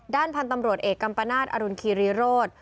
พันธุ์ตำรวจเอกกัมปนาศอรุณคีรีโรธ